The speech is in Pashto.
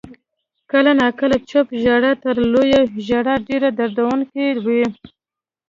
• کله ناکله چپ ژړا تر لوړې ژړا ډېره دردونکې وي.